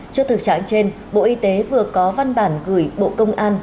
trước thực trạng trên bộ y tế vừa có văn bản gửi bộ công an